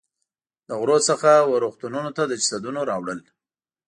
د غرو څخه وه رغتونونو ته د جسدونو راوړل.